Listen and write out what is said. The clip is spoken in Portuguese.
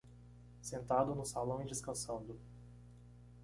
Sentado no salão e descansando